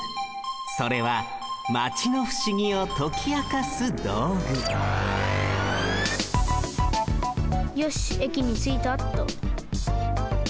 それはマチのふしぎをときあかすどうぐよしえきについたっと。